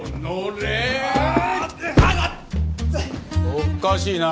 おっかしいな。